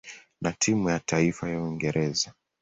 na timu ya taifa ya Uingereza.